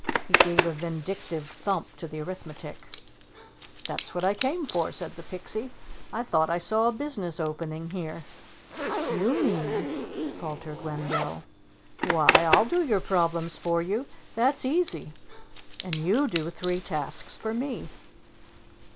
He gave a vindictive thump to the arithmetic. "That's what I came for," said the Pixie. "I thought I saw a business opening here." "You mean " faltered Wendell. "Why, I'll do your problems for you. That's easy. And you do three tasks for me."